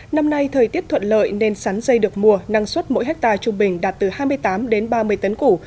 năm nay thời tiết thuận lợi nên sắn dây được mùa năng suất mỗi hectare trung bình đạt từ hai mươi tám đến ba mươi tấn củ